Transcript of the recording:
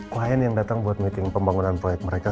klien yang datang buat meeting pembangunan proyek mereka